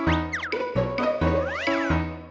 gigi permisi dulu ya mas